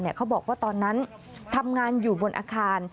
เขาบอกว่าตอนนั้นทำงานอยู่บนอาคาร